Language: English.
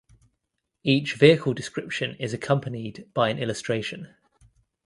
Each vehicle description is accompanied by an illustration.